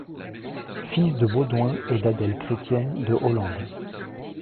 Fils de Baudouin et d'Adèle Chrétienne de Hollande.